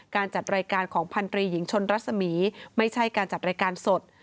จัดรายการของพันธรีหญิงชนรัศมีร์ไม่ใช่การจัดรายการสด